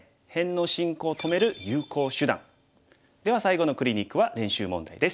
では最後のクリニックは練習問題です。